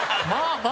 まあ。